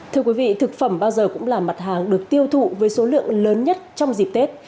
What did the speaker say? thưa quý vị thực phẩm bao giờ cũng là mặt hàng được tiêu thụ với số lượng lớn nhất trong dịp tết